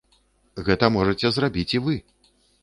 Гэта можаце зрабіць і вы!